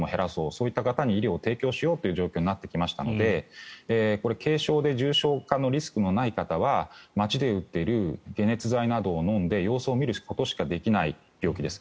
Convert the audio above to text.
そういった方に医療を提供しようという状況になってきましたのでこれ、軽症で重症化のリスクのない方は街で売っている解熱剤などを飲んで様子を見るしかできない病気です。